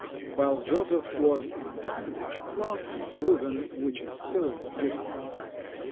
While Joseph was in bondage cloth was woven which is still in existence.